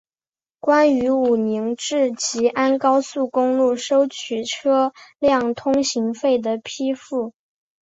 关于武宁至吉安高速公路收取车辆通行费的批复